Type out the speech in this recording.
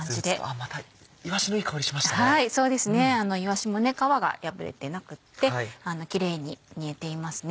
いわしも皮が破れてなくってキレイに煮えていますね。